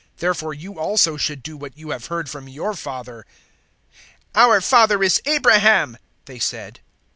Therefore you also should do what you have heard from your father." 008:039 "Our father is Abraham," they said.